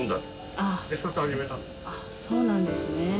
そうなんですね。